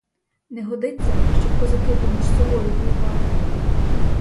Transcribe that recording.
Не годиться, щоб козаки поміж собою воювали.